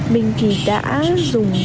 mình thì đã dùng